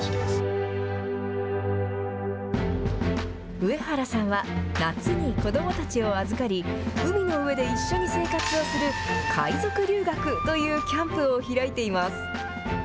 上原さんは夏に子どもたちを預かり海の上で一緒に生活をする海族留学というキャンプを開いています。